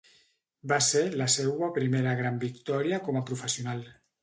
Va ser la seua primera gran victòria com a professional.